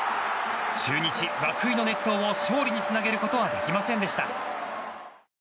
中日、涌井の粘投を勝利につなげることはできませんでした。